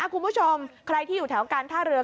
คุณผู้ชมใครที่อยู่แถวการท่าเรือ